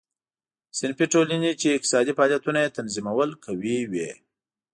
صنفي ټولنې چې اقتصادي فعالیتونه یې تنظیمول قوي وې.